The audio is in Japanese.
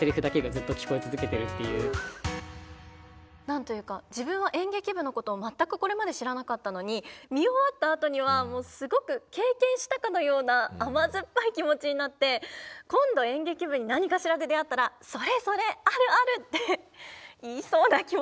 何と言うか自分は演劇部のことを全くこれまで知らなかったのに見終わったあとにはもうすごく経験したかのような甘酸っぱい気持ちになって今度演劇部に何かしらで出会ったらそれそれあるあるって言いそうな気持ちになりました。